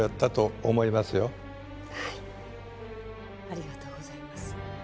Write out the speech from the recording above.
ありがとうございます。